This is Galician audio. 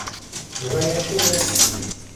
Non hai axudas?